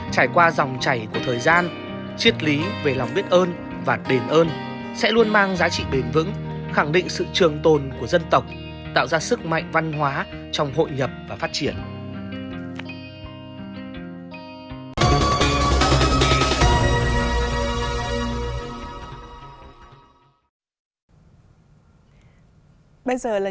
trải qua dòng chảy của thời gian triết lý về lòng biết ơn và đền ơn sẽ luôn mang giá trị bền vững khẳng định sự trường tồn của dân tộc tạo ra sức mạnh văn hóa trong hội nhập và phát triển